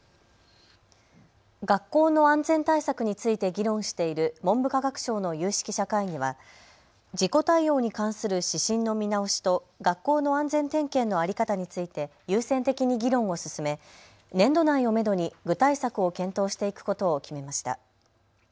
学校の安全対策について議論している文部科学省の有識者会議は、事故対応に関する指針の見直しと学校の安全点検の在り方について優先的に議論を進め、年度内をめどに具体策を検討していくことを決めました。